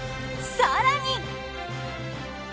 更に。